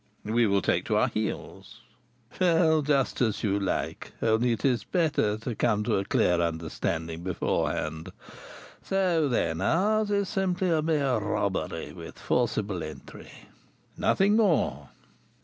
"We will take to our heels." "Well, just as you like; only it is better to come to a clear understanding beforehand. So, then, ours is simply a mere robbery with forcible entry " "Nothing more."